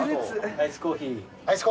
アイスコーヒー。